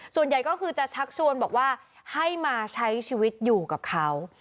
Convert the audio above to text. ส่วนใหญ่ก็คือจะชักชวนบอกว่าให้มาใช้ชีวิตอยู่กับเขา